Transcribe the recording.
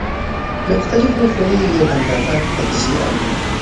له مختلفو خوړو یوه اندازه تغذیه اړینه ده.